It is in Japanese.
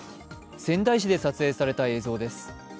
仙台市で撮影された映像です。